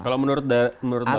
kalau menurut bapak